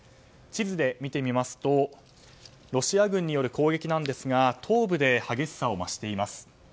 地図で見てみますとロシア軍による攻撃ですが東部で激しさを増しています。